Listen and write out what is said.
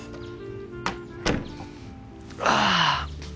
ああ。